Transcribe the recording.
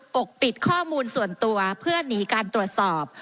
ปกปิดข้อมูลส่วนตัวเพื่อหนีการตรวจสอบ